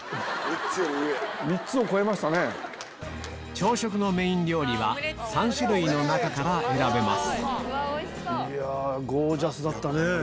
朝食のメイン料理は３種類の中から選べます